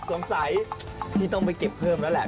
สงสัยพี่ต้องไปเก็บเพิ่มแล้วแหละ